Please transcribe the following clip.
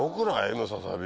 ムササビ。